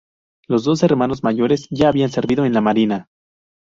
Los dos hermanos mayores ya habían servido en la Marina.